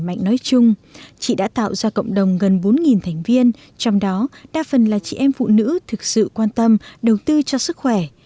chị nói chung chị đã tạo ra cộng đồng gần bốn thành viên trong đó đa phần là chị em phụ nữ thực sự quan tâm đầu tư cho sức khỏe